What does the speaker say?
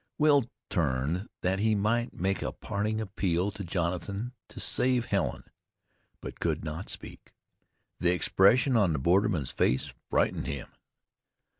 Will turned that he might make a parting appeal to Jonathan to save Helen; but could not speak. The expression on the borderman's face frightened him.